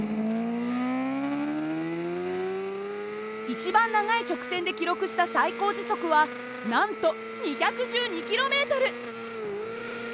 一番長い直線で記録した最高時速はなんと２１２ｋｍ。